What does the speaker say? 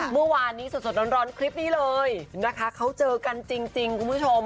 เมื่อวานนี้สดร้อนคลิปนี้เลยนะคะเขาเจอกันจริงคุณผู้ชม